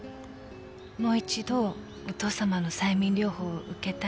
もう一度お父さまの催眠療法を受けたいって。